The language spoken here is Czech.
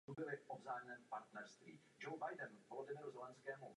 Jejím hlavním cílem je udržet cenovou stabilitu.